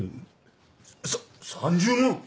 さ３０万